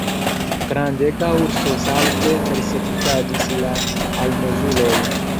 Grandega urso salte persekutadis la almozulojn.